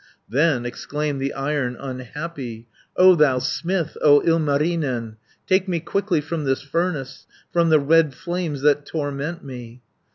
"Then exclaimed the Iron unhappy, 'O thou smith, O Ilmarinen, Take me quickly from this furnace, From the red flames that torment me.'